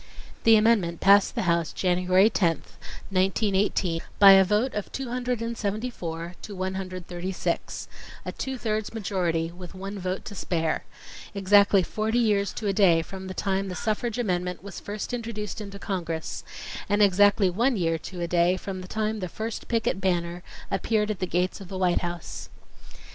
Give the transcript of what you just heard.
. The amendment passed the House January 10, 1918, by a vote of 274 to 136—a two thirds majority with one vote to spare—exactly forty years to a day from the time the suffrage amendment was first introduced into Congress, and exactly one year to a day from the time the first picket banner appeared at the gates o f the White House.